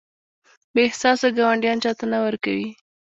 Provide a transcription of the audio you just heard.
بې احساسه ګاونډیان چاته نه ورکوي.